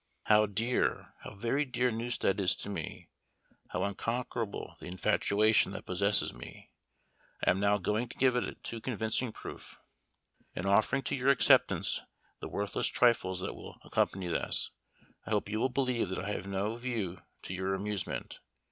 How dear, how very dear Newstead is to me, how unconquerable the infatuation that possesses me, I am now going to give a too convincing proof. In offering to your acceptance the worthless trifles that will accompany this, I hope you will believe that I have no view to your amusement.